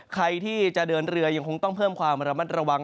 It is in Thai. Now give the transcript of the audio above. ใครที่จะเดินเรือยังคงต้องเพิ่มความระมัดระวัง